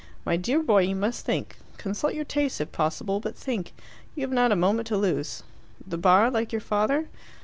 My dear boy, you must think. Consult your tastes if possible but think. You have not a moment to lose. The Bar, like your father?"